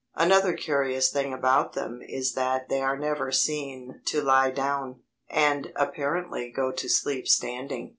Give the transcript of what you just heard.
Another curious thing about them is that they are never seen to lie down, and apparently go to sleep standing.